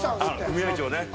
組合長ね。